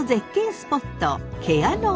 スポット